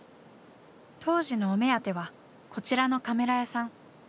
当時のお目当てはこちらのカメラ屋さん。